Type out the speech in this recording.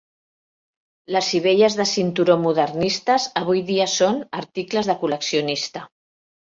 Les sivelles de cinturó modernistes avui dia són articles de col·leccionista.